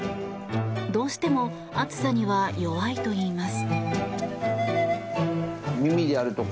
どうしても暑さには弱いといいます。